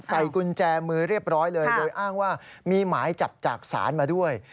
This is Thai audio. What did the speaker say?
ใส่กุญแจมือเรียบร้อยเลยโดยอ้างว่ามีหมายจับจากศาลมาด้วย